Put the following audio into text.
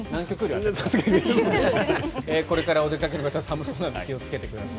これからお出かけの方寒そうなので気をつけてください。